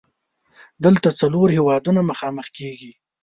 دلته څلور هیوادونه مخامخ کیږي.